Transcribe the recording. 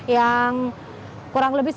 yang kurang lebih